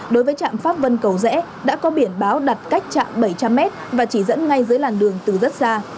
đối với trạm pháp vân cầu rẽ đã có biển báo đặt cách chạm bảy trăm linh m và chỉ dẫn ngay dưới làn đường từ rất xa